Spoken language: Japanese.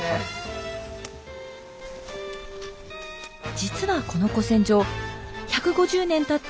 実はこの古戦場１５０年たった